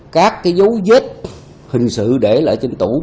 các cái dấu vết hình sự để lại trên tủ